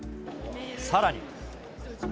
さらに。